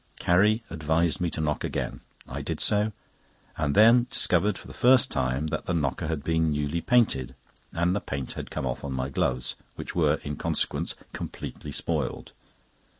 Carrie advised me to knock again. I did so, and then discovered for the first time that the knocker had been newly painted, and the paint had come off on my gloves—which were, in consequence, completely spoiled.